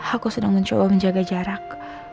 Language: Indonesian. aku sedang mencoba menjaga jarak